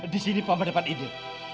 di sini paman dapat ide